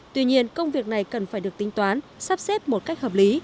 tuy nhiên công việc này cần phải được tính toán sắp xếp một cách hợp lý